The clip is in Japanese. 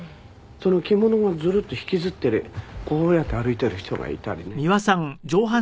その着物をずるっと引きずってこうやって歩いている人がいたりね。